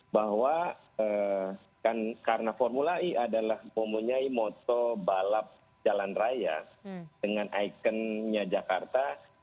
bahwa karena formula e adalah mempunyai moto balap jalan raya dengan ikonnya jakarta